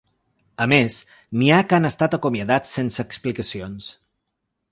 A més, n’hi ha que han estat acomiadats sense explicacions.